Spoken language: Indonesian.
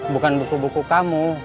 bukan buku buku kamu